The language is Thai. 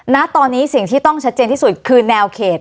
ณตอนนี้สิ่งที่ต้องชัดเจนที่สุดคือแนวเขต